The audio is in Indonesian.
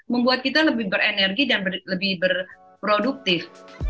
membuat kita lebih berenergi dan lebih berproduktif